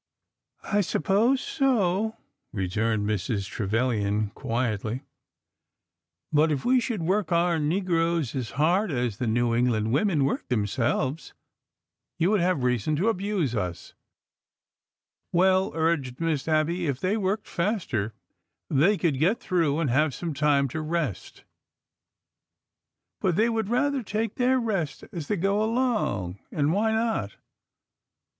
I suppose so," returned Mrs. Trevilian, quietly; "but if we should work our negroes as hard as the New Eng land women work themselves, you would have reason to abuse us." " Well," urged Miss Abby, " if they worked faster they could get through and have some time to rest." " But they would rather take their rest as they go along. And why not?